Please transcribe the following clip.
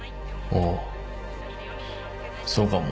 ああそうかも。